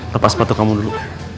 lepas patok kamu dulu